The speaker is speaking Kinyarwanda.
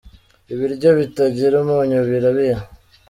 ibiryo bitagira umunyu birabiha